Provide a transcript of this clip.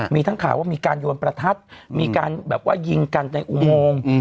มีทั้งข่าวว่ามีการโยนประทัดมีการแบบว่ายิงกันในอุโมง